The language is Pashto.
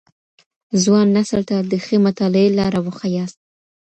ځوان نسل ته د ښې مطالعې لاره وښاياست.